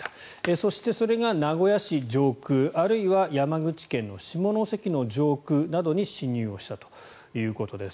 そしてそれが名古屋市上空あるいは山口県の下関の上空などに進入をしたということです。